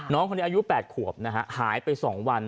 น้องคนนี้อายุ๘ขวบนะฮะหายไป๒วัน